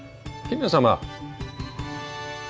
姫様？